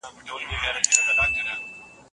د اسلام مبارک دين د نجات یوازینۍ لاره ده.